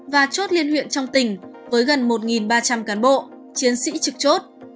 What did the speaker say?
và chốt liên huyện trong tỉnh với gần một ba trăm linh cán bộ chiến sĩ trực chốt